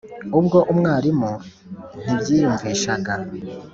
ubwo umwarimu ntibyiyumvishaga